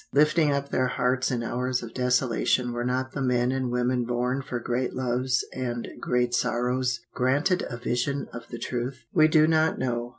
Lifting up their hearts in hours of desolation were not the men and women born for great loves and great sorrows granted a vision of the truth? "We do not know.